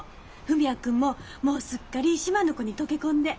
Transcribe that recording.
文也君もすっかり島の子に溶け込んで。